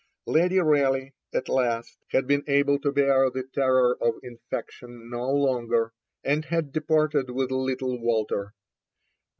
Lady Raleigh, at last, had been able to bear the terror of infection no longer, and had departed with little Walter.